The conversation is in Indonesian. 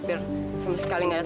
saya lebih ingin mengikateter